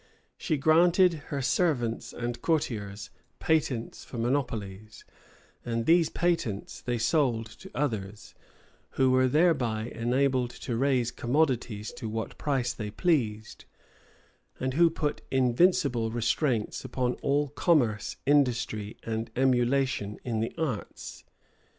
She granted her servants and courtiers patents for monopolies; and these patents they sold to others, who were thereby enabled to raise commodities to what price they pleased, and who put invincible restraints upon all commerce, industry, and emulation in the arts.